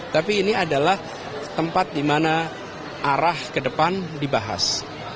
tapi ini adalah tempat di mana arah ke depan dibahas